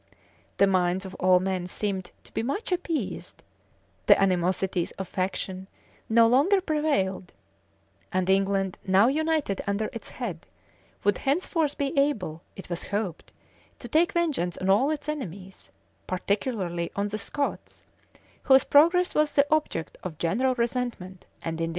The minds of all men seemed to be much appeased; the animosities of faction no longer prevailed; and England, now united under its head, would henceforth be able, it was hoped, to take vengeance on all its enemies, particularly on the Scots, whose progress was the object of general resentment and indignation.